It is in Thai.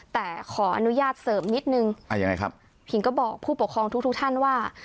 แต่ขออนุญาตเสริมนิดนึงอ่ายังไงครับผิงก็บอกผู้ปกครองทุกทุกท่านว่า